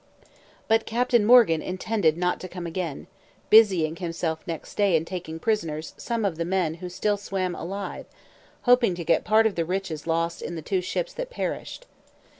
But Captain Morgan intended not to come again, busying himself next day in taking prisoners some of the men who still swam alive, hoping to get part of the riches lost in the two ships that perished.